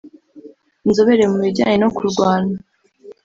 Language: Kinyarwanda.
inzobere mu bijyanye no kurwana